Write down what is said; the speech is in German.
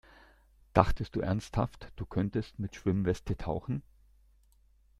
Dachtest du ernsthaft, du könntest mit Schwimmweste tauchen?